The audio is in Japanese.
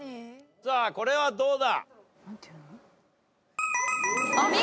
さあこれどうだ？